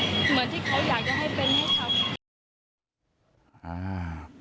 เหมือนที่เขาอยากจะให้เป็นให้เขา